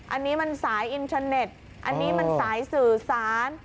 อันนี้มันสายอินเทอร์เน็ตอันนี้มันสายสื่อสาร